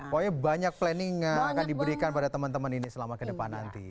pokoknya banyak planning yang akan diberikan pada teman teman ini selama kedepan nanti